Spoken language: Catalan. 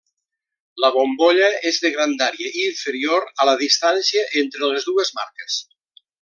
La bombolla és de grandària inferior a la distància entre les dues marques.